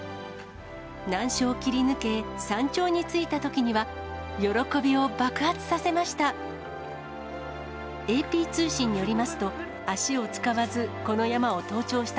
難所を切り抜け、山頂に着いたときには、喜びを爆発させました。